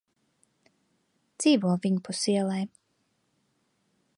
Dzīvo viņpus ielai.